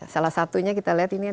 salah satunya kita lihat ini